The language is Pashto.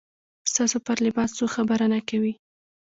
ستاسو پر لباس څوک خبره نه کوي.